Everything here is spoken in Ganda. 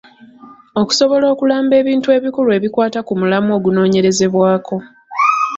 Okusobola okulamba ebintu ebikulu ebikwata ku mulamwa ogunoonyerezebwako.